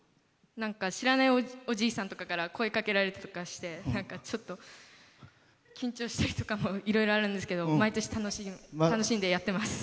知らないおじいさんから声かけられたりしてちょっと緊張したりとかもいろいろあるんですけど毎年、楽しんでやってます。